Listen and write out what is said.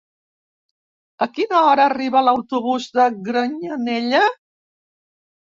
A quina hora arriba l'autobús de Granyanella?